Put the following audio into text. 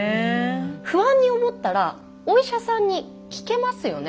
不安に思ったらお医者さんに聞けますよね。